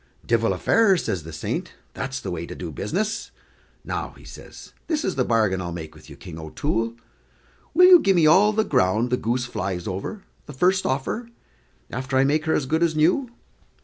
"Divil a fairer," says the saint, "that's the way to do business. Now," says he, "this is the bargain I'll make with you, King O'Toole: will you gi' me all the ground the goose flies over, the first offer, after I make her as good as new?"